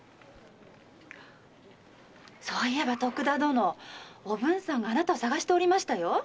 そういえばおぶんさんがあなたを捜しておりましたよ。